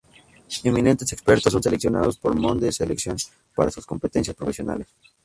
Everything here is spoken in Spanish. Eminentes expertos son seleccionados por Monde Selection para sus competencias profesionales.